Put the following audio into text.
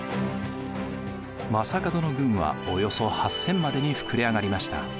将門の軍はおよそ８，０００までに膨れ上がりました。